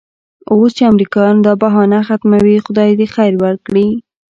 اوس چې امریکایان دا بهانه ختموي خدای دې خیر ورکړي.